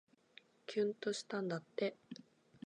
きゅんとしたんだって